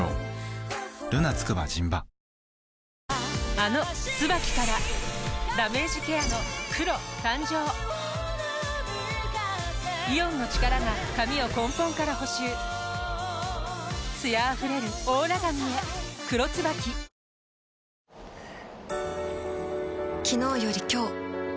あの「ＴＳＵＢＡＫＩ」からダメージケアの黒誕生イオンの力が髪を根本から補修艶あふれるオーラ髪へ「黒ＴＳＵＢＡＫＩ」あちぃ。